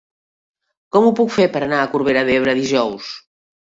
Com ho puc fer per anar a Corbera d'Ebre dijous?